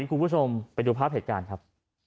คุณผู้ชมไปดูภาพเหตุการณ์ครับ